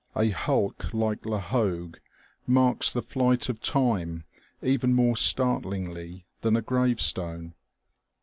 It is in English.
A hulk like La Hogue marks the flight of time even more startlingly than a gravestone.